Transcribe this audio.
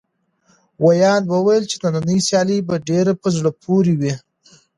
ویاند وویل چې نننۍ سیالي به ډېره په زړه پورې وي.